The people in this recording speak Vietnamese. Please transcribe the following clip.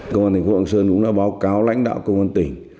công an thành phố lạng sơn cũng đã báo cáo lãnh đạo công an tỉnh